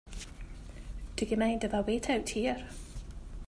Do you mind if I wait out here?